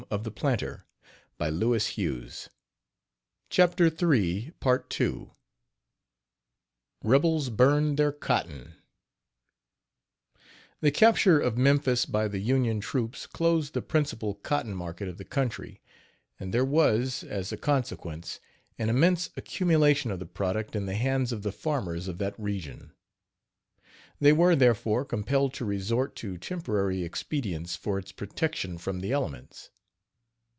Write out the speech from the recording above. REBELS BURN THEIR COTTON. The capture of Memphis by the Union troops closed the principal cotton market of the country, and there was, as a consequence, an immense accumulation of the product in the hands of the farmers of that region. They were, therefore, compelled to resort to temporary expedients for its protection from the elements.